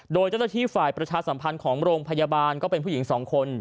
โดยเจ้าหน้าที่ฝ่ายประชาสัมพันธ์ของโรงพยาบาลก็เป็นผู้หญิง๒คน